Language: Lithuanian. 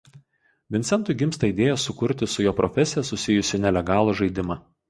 Vincentui gimsta idėja sukurti su jo profesija susijusį nelegalų žaidimą.